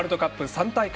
３大会